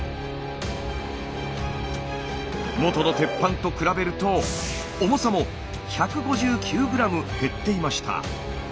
元の鉄板と比べると重さも１５９ｇ減っていました。